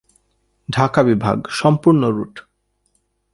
ঢাকা বিভাগ সম্পূর্ণ রুট